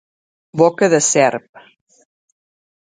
Boca de serp.